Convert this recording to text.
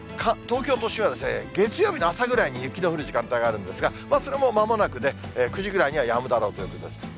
東京都心は月曜日の朝ぐらいに雪の降る時間帯があるんですが、それもまもなくね、９時ぐらいにはやむだろうということです。